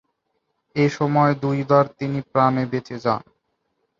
এ সময়ে দুইবার তিনি প্রাণে বেঁচে যান।